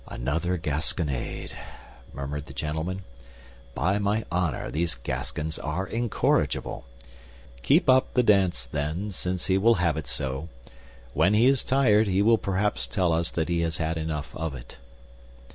"Another gasconade!" murmured the gentleman. "By my honor, these Gascons are incorrigible! Keep up the dance, then, since he will have it so. When he is tired, he will perhaps tell us that he has had enough of it."